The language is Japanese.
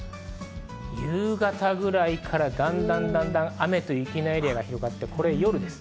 夕方ぐらいからだんだん雨と雪のエリアが広がって、これは夜です。